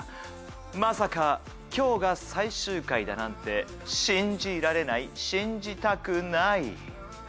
まさか今日が最終回だなんて信じられない信じたくない。